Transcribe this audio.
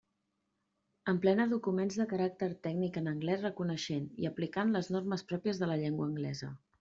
Emplena documents de caràcter tècnic en anglès reconeixent i aplicant les normes pròpies de la llengua anglesa.